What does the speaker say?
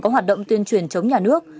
có hoạt động tuyên truyền chống nhà nước